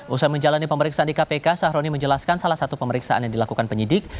usai menjalani pemeriksaan di kpk sahroni menjelaskan salah satu pemeriksaan yang dilakukan penyidik